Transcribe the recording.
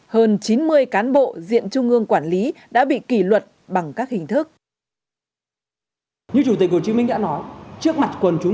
hơn chín mươi cán bộ diện trung ương quản lý đã bị kỷ luật bằng các hình thức